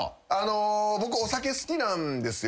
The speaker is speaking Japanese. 僕お酒好きなんですよ。